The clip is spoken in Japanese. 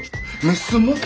メスも。